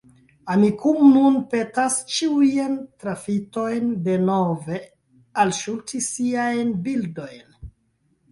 Amikumu nun petas ĉiujn trafitojn denove alŝuti siajn bildojn.